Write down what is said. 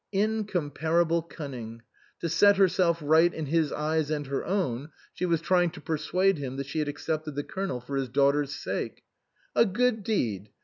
Incomparable cunning ! To set herself right in his eyes and her own, she was trying to persuade him that she had accepted the Colonel for his daughter's sake. A good deed